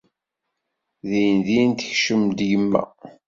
Din-din tekcem-d yemma.